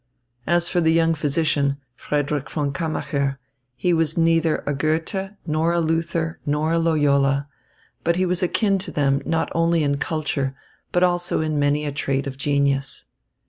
As for the young physician, Frederick von Kammacher, he was neither a Goethe nor a Luther nor a Loyola; but he was akin to them not only in culture, but also in many a trait of genius.